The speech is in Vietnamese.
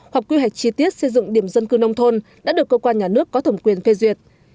hoặc quy hoạch chi tiết xây dựng điểm dân cư nông thôn đã được cơ quan nhà nước có thẩm quyền phê duyệt